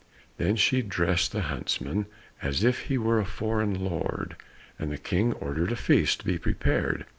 Then she dressed the huntsman as if he were a foreign lord, and the King ordered a feast to be prepared.